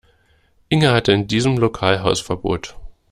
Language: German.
Inge hatte in diesem Lokal Hausverbot